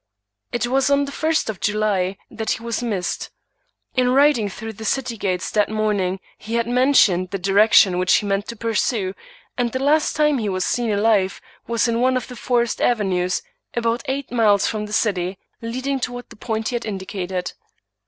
It was on the first of July that he was missed. In riding through the city gates that morning, he had men ^ tioned the direction which he meant to pursue ; and the last time he was seen alive was in one of the forest avenues, about eight miles from the city, leading toward the point he had indicated.